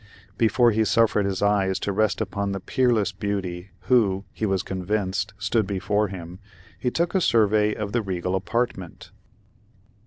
Before he suffered his eyes to rest upon the peerless beauty who, he was convinced, stood before him, he took a survey of the regal apartment.